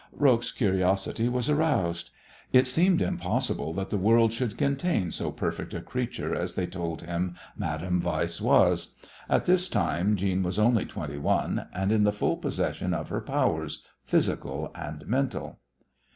Roques's curiosity was aroused. It seemed impossible that the world should contain so perfect a creature as they told him Madame Weiss was. At this time Jeanne was only twenty one, and in the full possession of her powers, physical and mental.